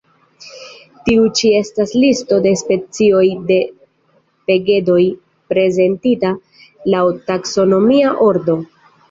Tiu ĉi estas listo de specioj de pegedoj, prezentita laŭ taksonomia ordo.